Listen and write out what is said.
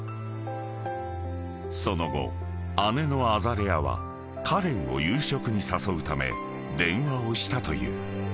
［その後姉のアザレアはカレンを夕食に誘うため電話をしたという］